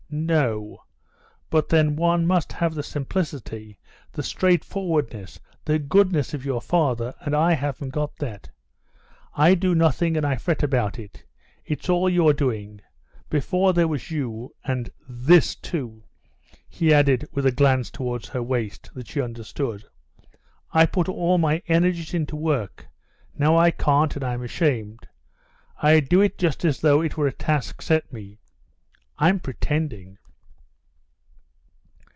—no! But then one must have the simplicity, the straightforwardness, the goodness of your father: and I haven't got that. I do nothing, and I fret about it. It's all your doing. Before there was you—and this too," he added with a glance towards her waist that she understood—"I put all my energies into work; now I can't, and I'm ashamed; I do it just as though it were a task set me, I'm pretending...."